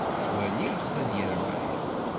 Ttwaliɣ-t ad yerbeḥ.